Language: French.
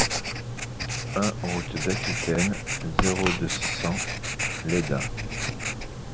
un route d'Aquitaine, zéro deux, cent Lesdins